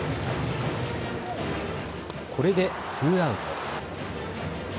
これでツーアウト。